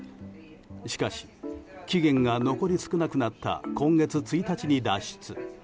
しかし期限が残り少なくなった今月１日に脱出。